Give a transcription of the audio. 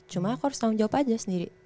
cuma aku harus tanggung jawab aja sendiri